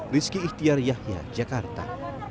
rizky ihtiar yahya jakarta